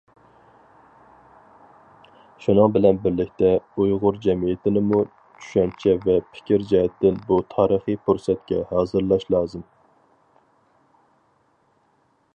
شۇنىڭ بىلەن بىرلىكتە ئۇيغۇر جەمئىيىتىنىمۇ چۈشەنچە ۋە پىكىر جەھەتتىن بۇ تارىخىي پۇرسەتكە ھازىرلاش لازىم.